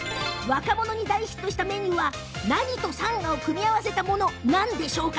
若者に大ヒットしたメニューは何と、さんがを組み合わせたものなんでしょう？